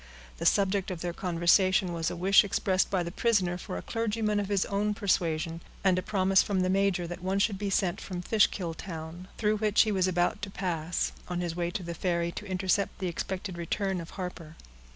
The subject of their conversation was a wish expressed by the prisoner for a clergyman of his own persuasion, and a promise from the major, that one should be sent from Fishkill town, through which he was about to pass, on his way to the ferry to intercept the expected return of Harper.